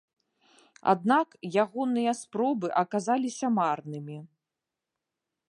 Аднак, ягоныя спробы аказаліся марнымі.